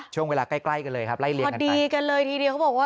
ช่วงเวลาใกล้กันเลยครับ